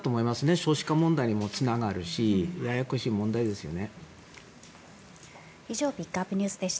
少子化問題にもつながるしややこしい問題ですよね。